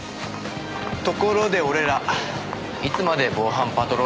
ところで俺らいつまで防犯パトロール続けるんですか？